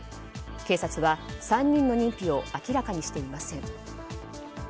警察は、３人の認否を明らかにしていません。